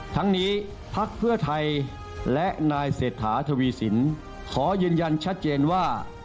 ทั้งนี้พักเพื่อไทยและนายเศรษฐาทวีสินขอยืนยันชัดเจนว่า